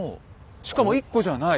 しかも１個じゃない。